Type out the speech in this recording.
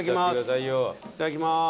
いただきます。